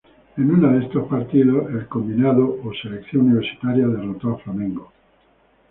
En uno de esos partidos, el Combinado o "Selección Universitaria" derrotó a Flamengo.